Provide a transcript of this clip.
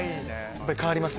やっぱり変わります？